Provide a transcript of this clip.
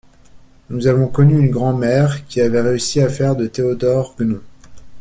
Nous avons connu une grand’mère qui avait réussi à faire de Théodore, Gnon.